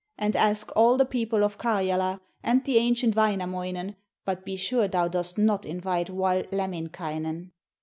And ask all the people of Karjala and the ancient Wainamoinen, but be sure thou dost not invite wild Lemminkainen.'